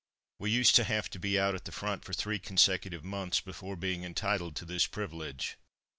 We used to have to be out at the front for three consecutive months before being entitled to this privilege.